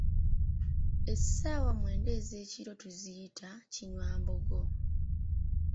Essaawa mwenda ez'ekiro tuziyita, "Kinywambogo"